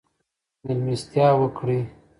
مېلمستیا وکړئ.